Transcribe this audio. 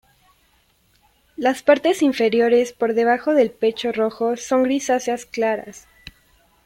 Las partes inferiores por debajo del pecho rojo son grisáceas claras.